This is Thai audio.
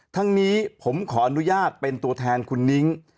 ทั้งนี้ผมขออนุญาตเป็นตัวแทนคุณนิ้ง